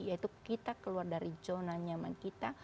bagaimana cara kita mengatasi yaitu kita keluar dari zona nyaman kita